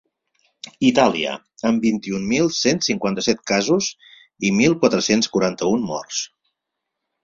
Itàlia, amb vint-i-un mil cent cinquanta-set casos i mil quatre-cents quaranta-un morts.